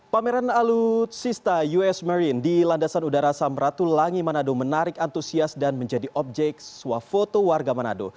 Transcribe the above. pameran alutsista us marine di landasan udara samratulangi manado menarik antusias dan menjadi objek swafoto warga manado